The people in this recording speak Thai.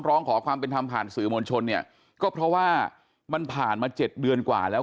ร้องขอความเป็นธรรมผ่านสื่อมวลชนเนี่ยก็เพราะว่ามันผ่านมาเจ็ดเดือนกว่าแล้ว